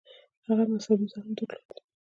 هغه مذهبي زغم درلود.